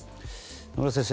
野村先生。